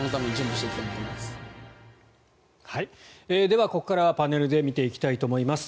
では、ここからはパネルで見ていきたいと思います。